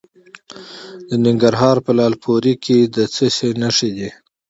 د ننګرهار په لعل پورې کې د څه شي نښې دي؟